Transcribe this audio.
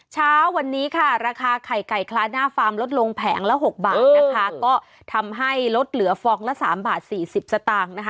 เช้าวันนี้ค่ะราคาไข่ไก่คลาหน้าฟาร์มลดลงแผงละ๖บาทนะคะก็ทำให้ลดเหลือฟองละสามบาทสี่สิบสตางค์นะคะ